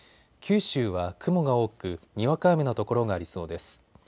九州は雲が多くにわか雨の所がありそうです。